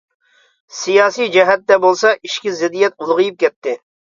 سىياسىي جەھەتتە بولسا ئىچكى زىددىيەت ئۇلغىيىپ كەتتى.